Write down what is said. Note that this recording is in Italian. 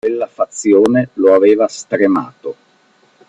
Quella fazione lo aveva stremato.